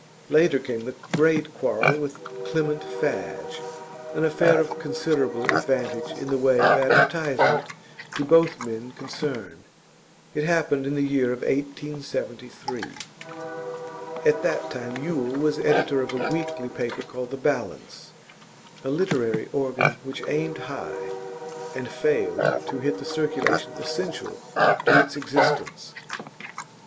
Later came the great quarrel with Clement Fadge, an affair of considerable advantage in the way of advertisement to both the men concerned. It happened in the year 1873. At that time Yule was editor of a weekly paper called The Balance, a literary organ which aimed high, and failed to hit the circulation essential to its existence.